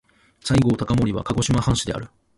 西郷隆盛は鹿児島藩士である。